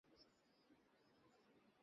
সঙ্গে সঙ্গে তারা মল খেতে শুরু করে।